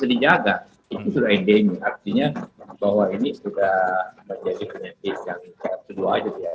artinya bahwa ini sudah menjadi penyakit yang tersebut saja biasa